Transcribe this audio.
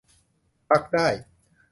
พักได้